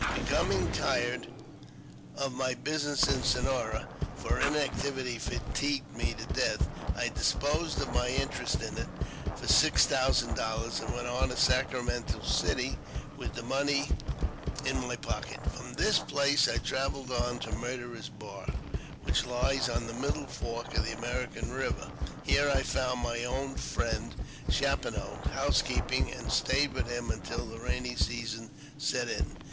Becoming tired of my business in Sonora, for inactivity fatigued me to death, I disposed of my interest in it for six thousand dollars, and went on to Sacramento City with the 420 AUTOBIOGBAPHY OF money in my pocket. From this place I travelled on to Murderer's Bar, which lies on the middle fork of the American Eiver; here I fomid my old friend Chapineau house keeping, and stayed with him until the rainy season set in.